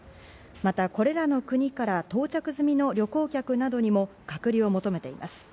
またこれらの国から到着済みの旅行客などにも隔離を求めています。